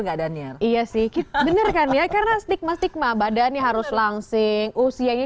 gak daniel iya sih bener kan ya karena stigma stigma badannya harus langsing usianya